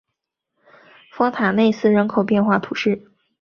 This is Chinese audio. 丰塔内斯人口变化图示